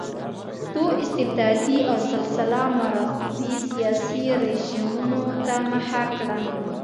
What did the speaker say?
دوی استبدادي او سلسله مراتبي سیاسي رژیمونو ته مخه کړه.